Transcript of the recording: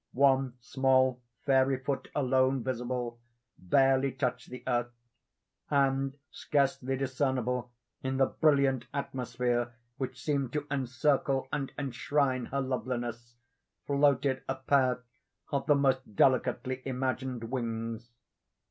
One small, fairy foot, alone visible, barely touched the earth; and, scarcely discernible in the brilliant atmosphere which seemed to encircle and enshrine her loveliness, floated a pair of the most delicately imagined wings.